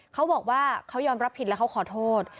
เขาบอกว่าเขายอมรับผิดและเขาขอโทษ